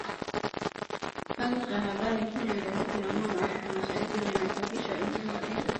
Chanzo cha habari hii ni gazeti la “Mwana Afrika Mashariki” linalochapishwa nchini Kenya